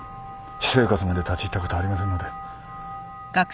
私生活まで立ち入ったことはありませんので。